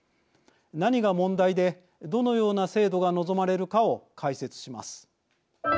何が問題でどのような制度が望まれるかを解説します。